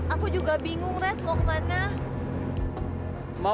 aku juga bingung les mau ke mana